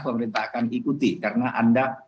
pemerintah akan ikuti karena anda